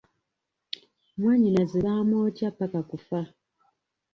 Mwanyinaze baamwokya paka kufa.